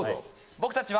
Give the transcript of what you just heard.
僕たちは。